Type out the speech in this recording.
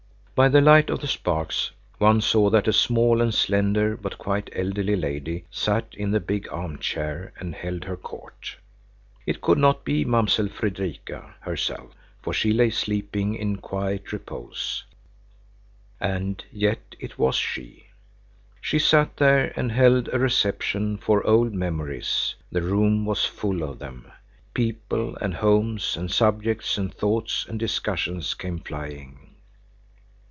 By the light of the sparks one saw that a small and slender but quite elderly lady sat in the big arm chair and held her court. It could not be Mamsell Fredrika herself, for she lay sleeping in quiet repose, and yet it was she. She sat there and held a reception for old memories; the room was full of them. People and homes and subjects and thoughts and discussions came flying.